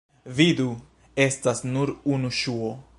Vidu: estas nur unu ŝuo.